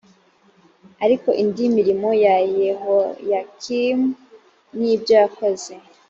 ariko indi mirimo ya yehoyakimu n ibyo yakoze